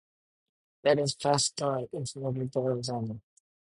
That is fast dye if ever there was any.